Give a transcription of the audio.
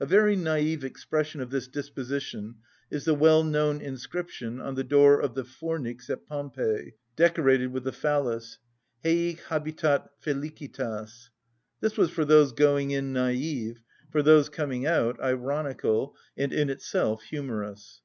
A very naïve expression of this disposition is the well‐known inscription on the door of the fornix at Pompeii, decorated with the phallus: "Heic habitat felicitas:" this was for those going in naïve, for those coming out ironical, and in itself humorous.